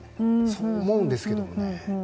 そう思うんですけどもね。